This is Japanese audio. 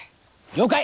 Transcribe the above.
了解！